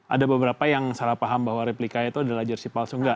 ada beberapa yang salah paham bahwa replika itu adalah jersi palsu nggak